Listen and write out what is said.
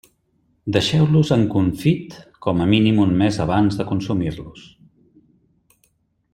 Deixeu-los en confit com a mínim un mes abans de consumir-los.